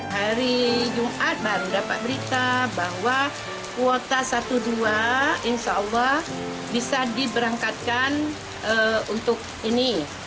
hari jumat baru dapat berita bahwa kuota satu dua insya allah bisa diberangkatkan untuk ini